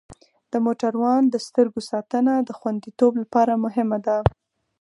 د موټروان د سترګو ساتنه د خوندیتوب لپاره مهمه ده.